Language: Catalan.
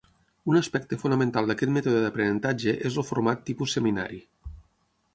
Un aspecte fonamental d'aquest mètode d'aprenentatge és el format tipus seminari.